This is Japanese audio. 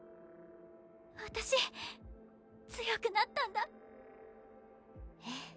私強くなったんだええ